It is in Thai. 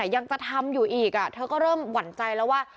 ยังจะทำอยู่อีกเธอก็เริ่มหวั่นใจแล้วว่า